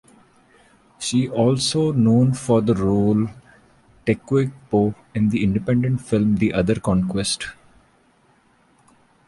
She also known for the role Tecuichpo in the Independent film "The Other Conquest".